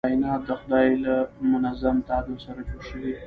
کائنات د خدای له منظم تعادل سره جوړ شوي.